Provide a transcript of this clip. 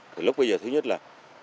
thì lúc bây giờ thứ nhất là